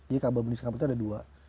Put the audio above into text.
jadi kabel bundi singapur itu ada dua